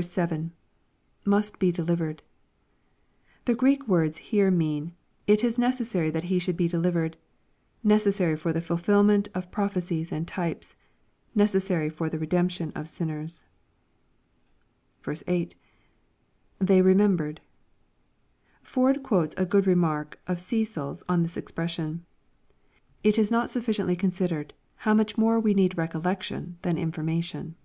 7. — [Must be delivered.] The Greek words here mean, " It is neces sary that He should be delivered," — ^necessary for the fulfilmenl of prophecies and types, necessary for the redemption of sinners. B. — [They rememhered.] Ford quotes a good remark of Cecil's on this expression : "It is not sufficiently considered how much more we need recollection than information."